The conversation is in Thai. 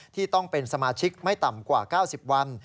ที่ต้องเป็นสมาชิกไม่ต่ำกว่า๙๐วัน